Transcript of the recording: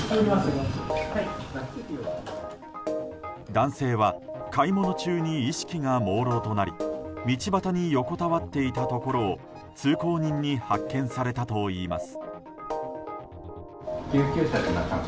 男性は買い物中に意識がもうろうとなり道端に横たわっていたところを通行人に発見されたといいます。